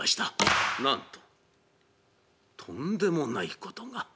なんととんでもないことが。